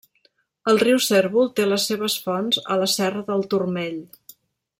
El riu Cérvol té les seves fonts a la serra del Turmell.